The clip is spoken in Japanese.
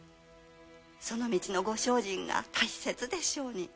その道のご精進が大切でしょうに。